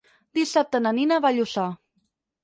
Dissabte na Nina va a Lluçà.